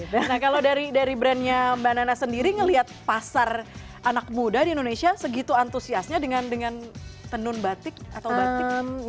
nah kalau dari brandnya mbak nana sendiri ngelihat pasar anak muda di indonesia segitu antusiasnya dengan tenun batik atau batik